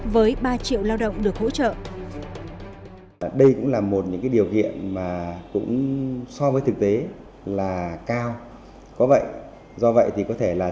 với ba triệu lao động được hỗ trợ